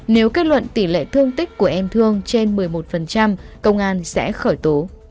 nếu kết luận tỷ lệ thương tích của em thương trên một mươi một công an sẽ khởi tố